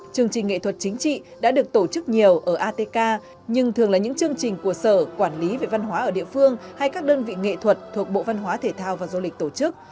chương trình nghệ thuật chính trị đã được tổ chức nhiều ở atk nhưng thường là những chương trình của sở quản lý về văn hóa ở địa phương hay các đơn vị nghệ thuật thuộc bộ văn hóa thể thao và du lịch tổ chức